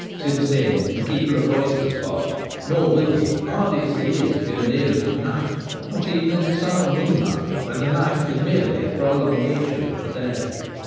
Since then the keeper avoids the spot ; nor will he, hardy as he is, go near it at night ; not even in the summer moonlight, when the night is merely a prolongation of the day.